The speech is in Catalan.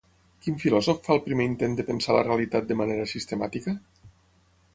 Quin filòsof fa el primer intent de pensar la realitat de manera sistemàtica?